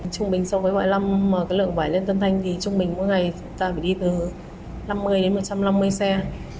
trung bình so với mỗi năm mà cái lượng hàng lên tân thanh thì trung bình mỗi ngày ta phải đi từ năm mươi đến một trăm năm mươi xe